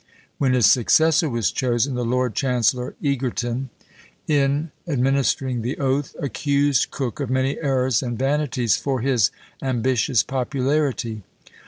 When his successor was chosen, the Lord Chancellor Egerton, in administering the oath, accused Coke "of many errors and vanities for his ambitious popularity."